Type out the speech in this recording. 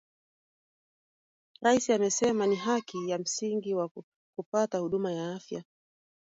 Rais amesema ni haki ya msingi wa kupata huduma ya afya